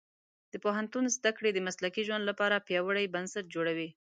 د پوهنتون زده کړې د مسلکي ژوند لپاره پیاوړي بنسټ جوړوي.